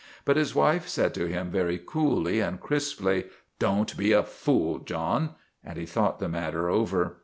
But his wife said to him, very coolly and crisply, " Don't be a fool, John," and he thought the matter over.